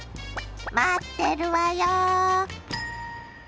待ってるわよ。